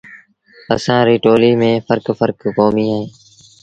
اسآݩ ريٚ ٽوليٚ ميݩ ڦرڪ ڦرڪ ڪوميݩ اوهيݩ۔